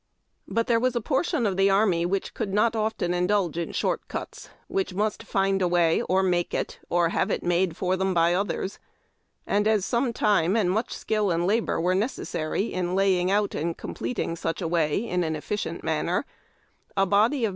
But there was a portion of the army which could not often indulge in short cuts, which must "find a way or make it," or have it made for them by others ; and as some time and much skill and labor were necessary in laying out and completing such a way in an efficient manner, a body of 377 378 IIAIW TACK AND COFFEE.